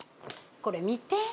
これ見て。